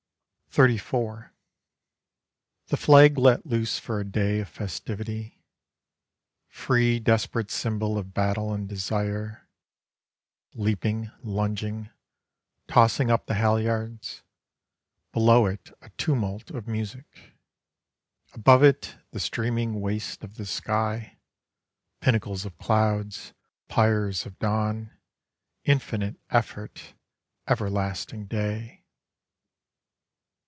XXXIV The flag let loose for a day of festivity; Free desperate symbol of battle and desire, Leaping, lunging, tossing up the halyards; Below it a tumult of music, Above it the streaming wastes of the sky, Pinnacles of clouds, pyres of dawn, Infinite effort, everlasting day.